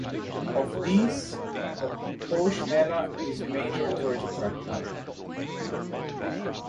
Of these, the "Poush Mela" is a major tourist attraction.